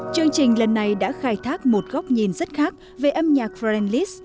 chương trình lần này đã khai thác một góc nhìn rất khác về âm nhạc friendless